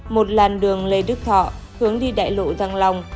một làn đường lê đức thọ hướng đi đại lộ thăng long